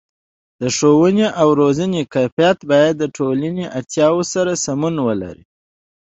د ښوونې او روزنې کیفیت باید د ټولنې اړتیاو سره سمون ولري.